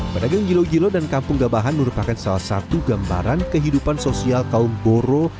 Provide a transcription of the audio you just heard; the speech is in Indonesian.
pedagang gilo gilo dan kampung gabahan merupakan salah satu gambaran kehidupan sosial kaum boro